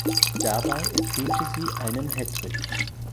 Dabei erzielte sie einen Hattrick.